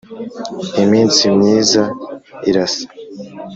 iminsi myiza irasa